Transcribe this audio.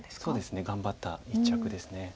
そうですね頑張った一着です。